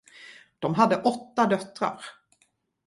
De hade åtta döttrar.